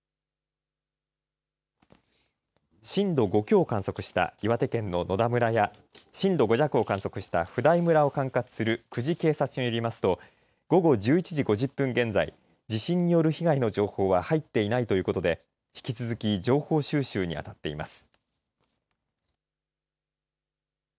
震度５強を観測した岩手県の野田村や震度５弱を観測した普代村を管轄する久慈警察署によりますと午後１１時５０分現在地震による被害の情報は入っていないということで引き続き情報収集にあたっています。